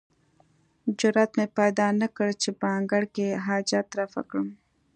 جرئت مې پیدا نه کړ چې په انګړ کې حاجت رفع کړم.